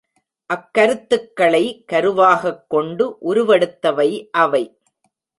அக்கருத்துக்களை கருவாகக் கொண்டு உருவெடுத்தவை அவை.